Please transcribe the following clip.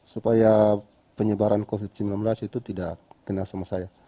supaya penyebaran covid sembilan belas itu tidak kena sama saya